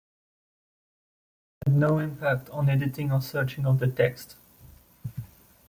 Thus they had no impact on editing or searching of the text.